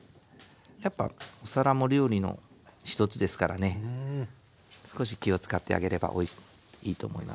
やっぱお皿も料理の一つですからね少し気を遣ってあげればいいと思いますよ。